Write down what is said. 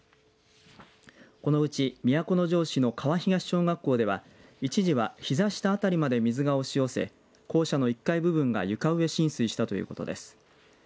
このうち都城市の川東小学校では一時はひざ下辺りまで水が押し寄せ校舎の１階部分が床上浸水したということです。